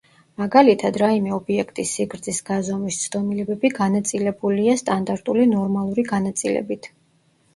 მაგალითად, რაიმე ობიექტის სიგრძის გაზომვის ცდომილებები განაწილებულია სტანდარტული ნორმალური განაწილებით.